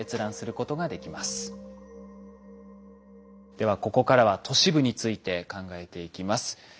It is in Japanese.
ではここからは都市部について考えていきます。